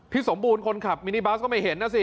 สมบูรณ์คนขับมินิบัสก็ไม่เห็นนะสิ